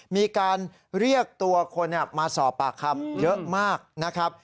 มีการเรียกตัวคนมาสอบปากคำเยอะมากนะครับ